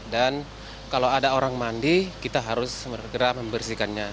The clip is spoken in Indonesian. dan kalau ada orang mandi kita harus bergerak membersihkannya